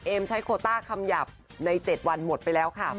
เอมใช้โคอต้าคำหยาบในเจ็ดวันหมดไปแล้วผม